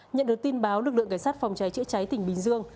nhận được tin báo lực lượng cảnh sát phòng cháy chữa cháy tỉnh bình dương